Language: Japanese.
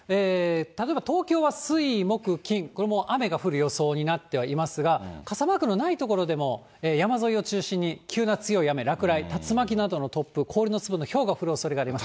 例えば東京は水、木、金、これ雨が降る予想になっていますが、傘マークのない所でも山沿いを中心に急な強い雨、落雷、竜巻などの突風、氷の粒のひょうが降るおそれがあります。